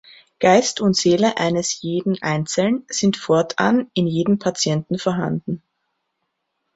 Geist und Seele eines jeden Einzeln sind fortan in jedem Patienten vorhanden.